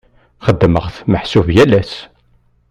Xeddmeɣ-t meḥsub yal ass.